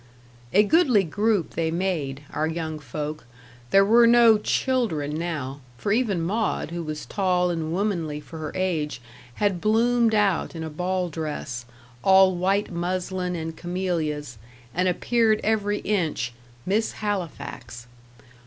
A goodly group they made our young folk; there were no "children" now for even Maud, who was tall and womanly for her age, had bloomed out in a ball dress, all white muslin and camellias, and appeared every inch "Miss Halifax."